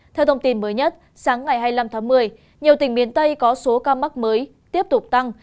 theo thông tin mới nhất sáng ngày hai mươi năm tháng một mươi nhiều tỉnh miền tây có số ca mắc mới tiếp tục tăng